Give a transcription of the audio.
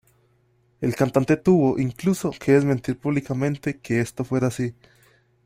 El cantante tuvo incluso que desmentir públicamente que esto fuera así.